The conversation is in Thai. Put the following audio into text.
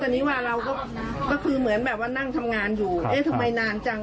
ตอนนี้ว่าเราก็คือเหมือนแบบว่านั่งทำงานอยู่เอ๊ะทำไมนานจัง